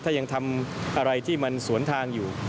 ถ้ายังทำอะไรที่มันสวนทางอยู่